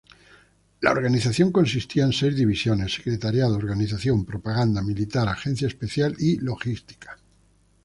La organización consistía en seis divisiones: secretariado, organización, propaganda, militar, agencia especial y logística.